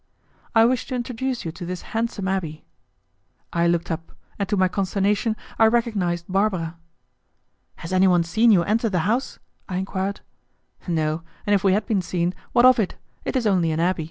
"I wish to introduce you to this handsome abbé." I looked up, and to my consternation I recognized Barbara. "Has anyone seen you enter the house?" I enquired. "No; and if we had been seen, what of it? It is only an abbé.